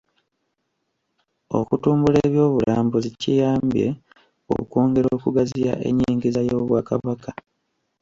Okutumbula eby'obulambuzi kiyambye okwongera okugaziya ennyingiza y'Obwakabaka.